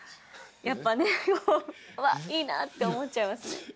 やっぱねいいなって思っちゃいますね。